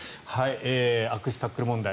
悪質タックル問題